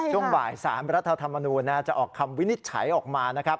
ช่วงบ่าย๓รัฐธรรมนูญจะออกคำวินิจฉัยออกมานะครับ